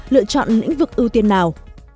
lựa chọn lĩnh vực ưu tiên nào